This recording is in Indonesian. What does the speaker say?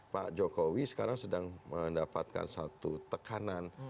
pak jokowi sekarang sedang mendapatkan satu tekanan